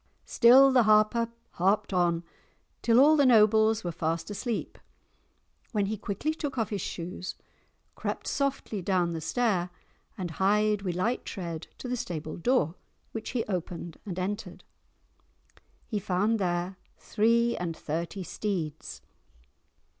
Still the Harper harped on till all the nobles were fast asleep, when he quickly took off his shoes, crept softly down the stair, and hied with light tread to the stable door, which he opened and entered. He found there three and thirty steeds.